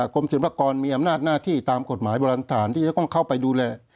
กรมศิลปากรมีอำนาจหน้าที่ตามกฎหมายโบราณฐานที่จะต้องเข้าไปดูแล